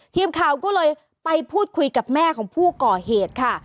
ทีมข่าวก็เลยไปพูดคุยกับแม่ของผู้ก่อเหตุค่ะ